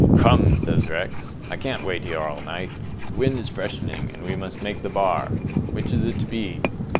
"Come," says Rex, "I can't wait here all night. The wind is freshening, and we must make the Bar. Which is it to be?"